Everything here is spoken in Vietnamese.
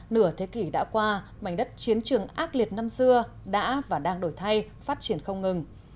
nửa thế kỷ đã qua mảnh đất chiến trường ác liệt năm xưa đã và đang đổi thay phát triển không ngừng